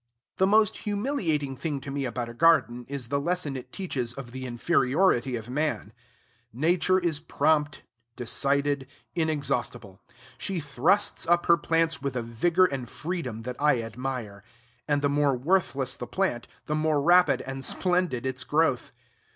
The most humiliating thing to me about a garden is the lesson it teaches of the inferiority of man. Nature is prompt, decided, inexhaustible. She thrusts up her plants with a vigor and freedom that I admire; and the more worthless the plant, the more rapid and splendid its growth.